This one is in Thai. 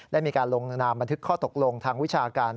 ได้มีการลงนามบันทึกข้อตกลงทางวิชาการ